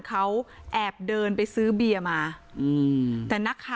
ขอบคุณพี่ที่ข่วยลูก